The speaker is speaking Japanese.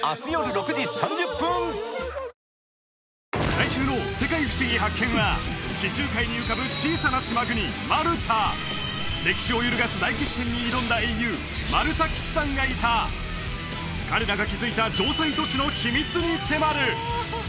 来週の「世界ふしぎ発見！」は地中海に浮かぶ小さな島国マルタ歴史を揺るがす大決戦に挑んだ英雄マルタ騎士団がいた彼らが築いた城塞都市の秘密に迫る！